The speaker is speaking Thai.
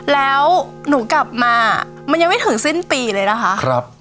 แล้วหนูกลับมามันยังไม่ถึงสิ้นปีเลยนะคะ